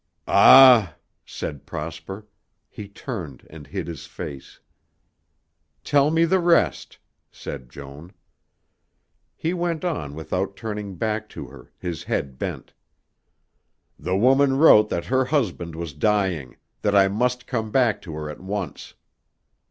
"Ah!" said Prosper. He turned and hid his face. "Tell me the rest," said Joan. He went on without turning back to her, his head bent. "The woman wrote that her husband was dying, that I must come back to her at once."